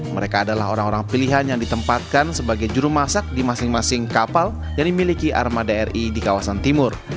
mereka adalah orang orang pilihan yang ditempatkan sebagai juru masak di masing masing kapal yang dimiliki armada ri di kawasan timur